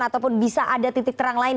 ataupun bisa ada titik terang lain